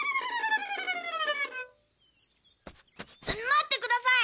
待ってください！